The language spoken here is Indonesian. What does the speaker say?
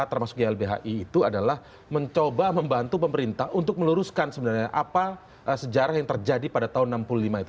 termasuk ylbhi itu adalah mencoba membantu pemerintah untuk meluruskan sebenarnya apa sejarah yang terjadi pada tahun seribu sembilan ratus lima itu